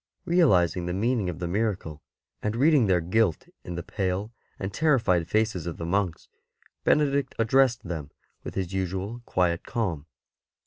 Realizing the meaning of the miracle, and reading their guilt in the pale and terrified faces of the monks, Benedict addressed them with his usual quiet calm.